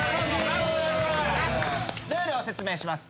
ルールを説明します。